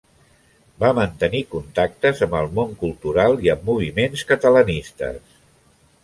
Va mantenir contactes amb el món cultural i amb moviments catalanistes.